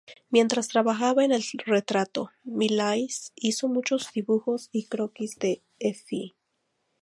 Mientras trabajaba en el retrato, Millais hizo muchos dibujos y croquis de Effie.